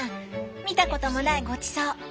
見たこともないごちそう。